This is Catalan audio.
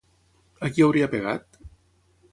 A qui hauria pegat?